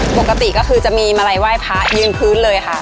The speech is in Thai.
ปกติก็คือจะมีมาลัยไหว้พระยืนพื้นเลยค่ะ